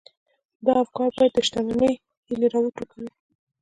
دا افکار بايد د شتمنۍ هيلې را وټوکوي.